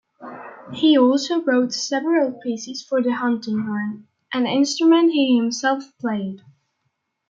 He also wrote several pieces for the hunting-horn, an instrument he himself played.